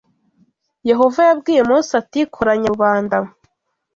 Yehova yabwiye Mose ati koranya rubanda